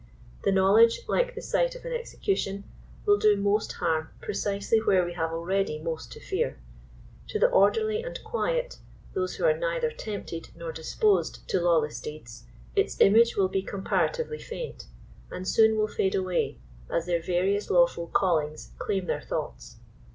The knowledge, like the sight of an execution, will do most harm precisely where we have already most to fear. To the orderly and quiet, — those who are neither tempted nor disposed to lawless deeds, — its image w ill be comparatively faint, and soon will fade away, as their various lawful callings claim their thoughts.